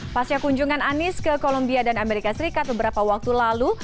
pasca kunjungan anies ke kolombia dan amerika serikat beberapa waktu lalu